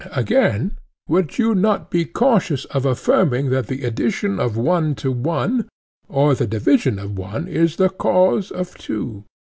Again, would you not be cautious of affirming that the addition of one to one, or the division of one, is the cause of two?